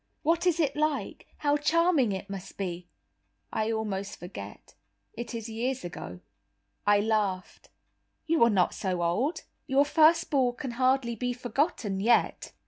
What is it like? How charming it must be." "I almost forget, it is years ago." I laughed. "You are not so old. Your first ball can hardly be forgotten yet."